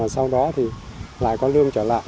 sau đó thì lại có lương trở lại